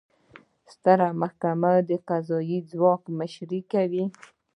ستره محکمه د قضایي ځواک مشري کوي